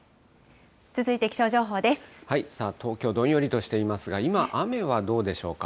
東京、どんよりとしていますが、今、雨はどうでしょうか。